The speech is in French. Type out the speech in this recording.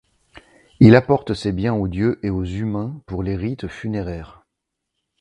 Il apporte ces biens aux dieux et aux humains pour les rites funéraires.